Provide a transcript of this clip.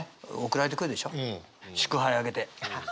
祝杯挙げて。